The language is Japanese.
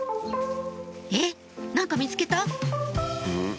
えっ何か見つけた？